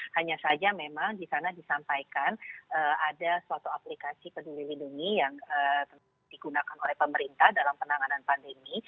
hanya saja memang di sana disampaikan ada suatu aplikasi peduli lindungi yang digunakan oleh pemerintah dalam penanganan pandemi